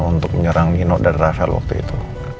untuk menyerang nino dan rafael waktu itu